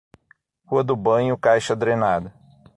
Rua do banho, caixa drenada.